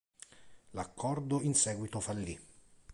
L'accordo in seguito fallì.